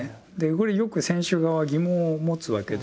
これよく選手側は疑問を持つわけですね。